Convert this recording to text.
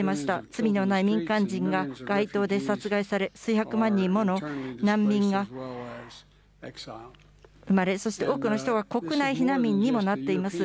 罪のない民間人が街頭で殺害され、数百万人もの難民が生まれ、そして多くの人が国内避難民にもなっています。